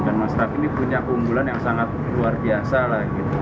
dan mas rafi ini punya keunggulan yang sangat luar biasa lah gitu